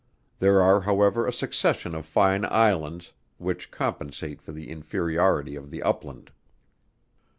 There are, however, a succession of fine Islands, which compensate for the inferiority of the upland.